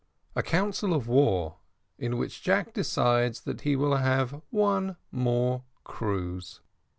A COUNCIL OF WAR, IN WHICH JACK DECIDES THAT HE WILL HAVE ONE MORE CRUISE.